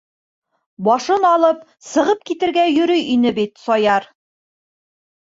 Башын алып, сығып китергә йөрөй ине бит Саяр!